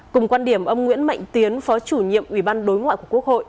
cùng quan điểm ông nguyễn mạnh tiến phó chủ nhiệm ủy ban đối ngoại của quốc hội